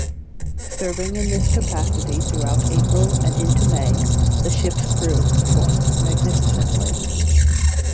Serving in this capacity throughout April and into May, the ship's crew performed magnificently.